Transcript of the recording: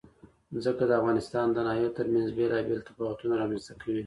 ځمکه د افغانستان د ناحیو ترمنځ بېلابېل تفاوتونه رامنځ ته کوي.